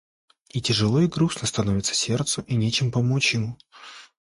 И тяжело и грустно становится сердцу, и нечем помочь ему.